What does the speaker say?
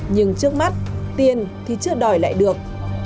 nhưng trước mắt tiền thì chưa đòi lại được